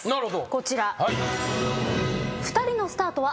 こちら。